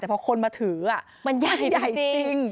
แต่พอคนมาถือมันใหญ่จริง